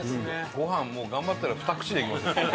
ご飯もう頑張ったらふた口でいけますよ。